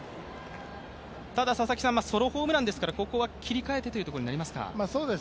ただソロホームランですから、ここは切り替えてということですか？